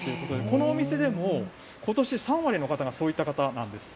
このお店でも、ことし３割の方が、そういった方なんですって。